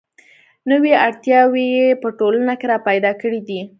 نوې اړتیاوې یې په ټولنه کې را پیدا کړې دي.